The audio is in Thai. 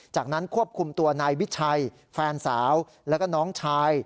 จากนั้นควบคุมตัวนายวิชัยแฟนสาวแล้วก็น้องชาย